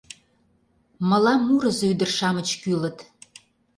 Мылам мурызо ӱдыр-шамыч кӱлыт.